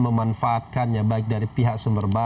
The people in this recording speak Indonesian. memanfaatkannya baik dari pihak sumber